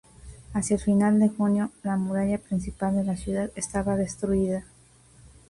Hacia el final de junio, la muralla principal de la ciudad estaba destruida.